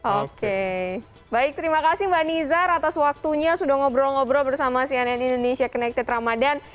oke baik terima kasih mbak nizar atas waktunya sudah ngobrol ngobrol bersama cnn indonesia connected ramadhan